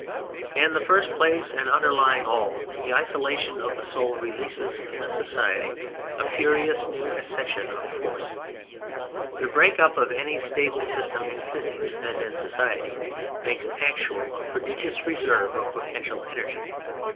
In the first place and underlying all, the isolation of the soul releases in a society a furious new accession of force. The break up of any stable system in physics, as in society, makes actual a prodigious reserve of potential energy.